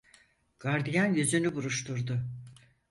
Gardiyan yüzünü buruşturdu.